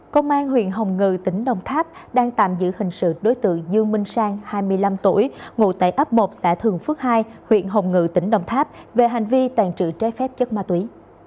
công an huyện hồng ngự tỉnh đồng tháp đang tạm giữ hình sự đối tượng dương minh sang hai mươi năm tuổi ngụ tại ấp một xã thường phước hai huyện hồng ngự tỉnh đồng tháp về hành vi tàn trự trái phép chất ma túy